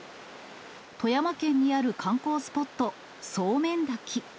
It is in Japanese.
富山県にある観光スポット、ソーメン滝。